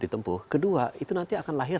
ditempuh kedua itu nanti akan lahir